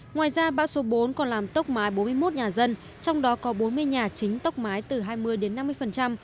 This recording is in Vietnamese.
ngoài ra bão số bốn còn làm tốc mái bốn mươi một nhà dân trong đó có bốn mươi nhà chính tốc mái từ hai mươi đến năm mươi